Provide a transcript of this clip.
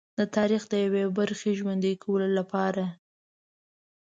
د تاریخ د یوې برخې ژوندي کولو لپاره.